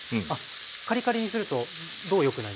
カリカリにするとどう良くないんですか？